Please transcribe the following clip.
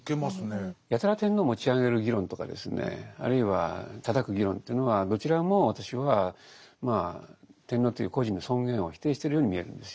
やたら天皇を持ち上げる議論とかですねあるいはたたく議論というのはどちらも私は天皇という個人の尊厳を否定してるように見えるんですよ。